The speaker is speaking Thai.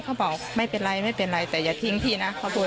เขาบอกไม่เป็นไรแต่อย่าทิ้งพี่นะขอบล